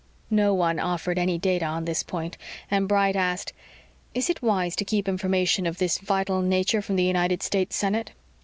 No one offered any data on this point and Bright asked, "Is it wise to keep information of this vital nature from the United States Senate?"